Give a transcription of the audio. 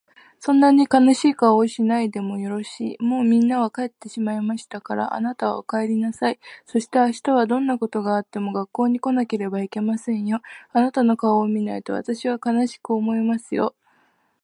「そんなに悲しい顔をしないでもよろしい。もうみんなは帰ってしまいましたから、あなたはお帰りなさい。そして明日はどんなことがあっても学校に来なければいけませんよ。あなたの顔を見ないと私は悲しく思いますよ。屹度ですよ。」